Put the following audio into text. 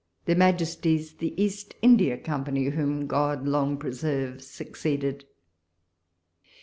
Their Majesties the East India Company, whom God long preserve, succeeded.